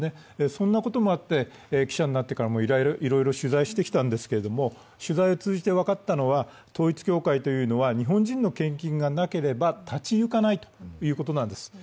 そんなこともあって、記者になってからもいろいろ取材してきたんですけど、取材を通じて分かったのは、統一教会というのは日本人の献金がなければ立ち行かないということなんです。